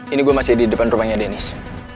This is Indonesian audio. ini gue masih di depan rumahnya deniz